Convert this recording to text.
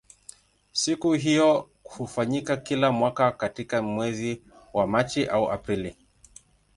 Siku hiyo hufanyika kila mwaka katika mwezi wa Machi au Aprili.